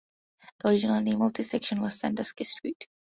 The original name of this section was Sandusky Street.